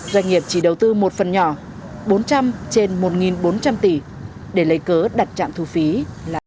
doanh nghiệp chỉ đầu tư một phần nhỏ bốn trăm linh trên một bốn trăm linh tỷ để lấy cớ đặt trạm thu phí là